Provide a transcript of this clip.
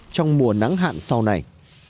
trong mùa nắng hạn sau này